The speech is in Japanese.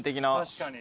確かに。